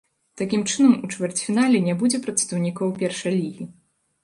Такім чынам, у чвэрцьфінале не будзе прадстаўнікоў першай лігі.